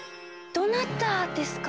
どなたですか？